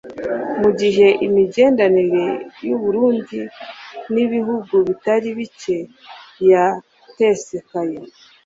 mu gihe imigenderanire y'u burundi n'ibihugu bitari bike yatesekaye